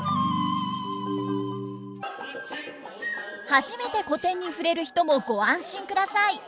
初めて古典に触れる人もご安心ください。